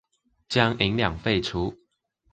將銀兩廢除